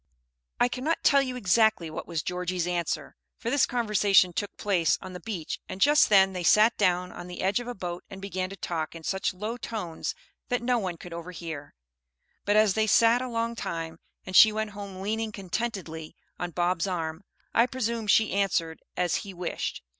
I cannot tell you exactly what was Georgie's answer, for this conversation took place on the beach, and just then they sat down on the edge of a boat and began to talk in such low tones that no one could overhear; but as they sat a long time and she went home leaning contentedly on Bob's arm, I presume she answered as he wished.